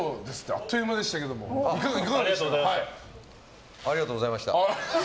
あっという間でしたけどありがとうございました。